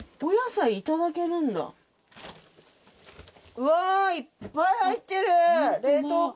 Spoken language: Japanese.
うわいっぱい入ってる冷凍庫。